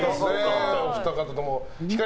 お二方とも。